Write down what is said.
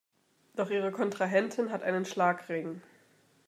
Doch ihre Kontrahentin hat einen Schlagring.